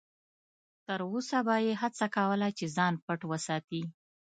تر وسه به یې هڅه کوله چې ځان پټ وساتي.